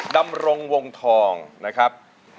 ดำรงวงทองนะครับ